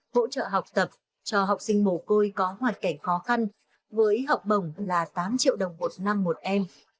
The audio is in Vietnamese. hỗ trợ học tập cho học sinh mồ côi có hoàn cảnh khó khăn với học bổng là tám triệu đồng một năm một em